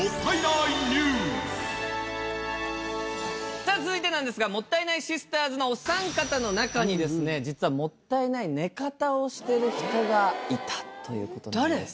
さあ続いてなんですがもったいないシスターズのお三方の中にですね実はもったいない寝方をしてる人がいたという事なんです。